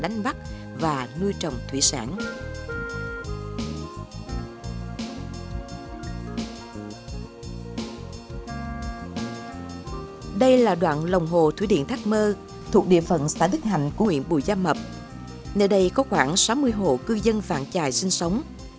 nơi đây có khoảng sáu mươi hồ cư dân vạn trài sinh sống